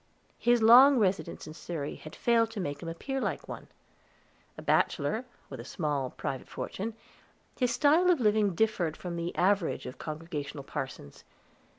His long residence in Surrey had failed to make him appear like one. A bachelor, with a small private fortune, his style of living differed from the average of Congregational parsons.